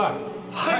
はい！